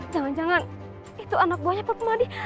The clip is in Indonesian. jangan jangan itu anak buahnya pak kemadi